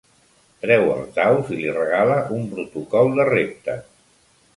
Treu els daus i li regala un protocol de repte.